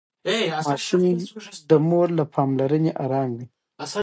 ماشوم د مور له پاملرنې ارام وي.